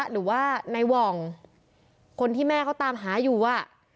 หรือว่าในหว่องคนที่แม่เขาตามหาอยู่อ่ะ